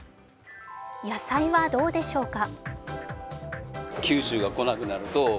野菜はどうでしょうか。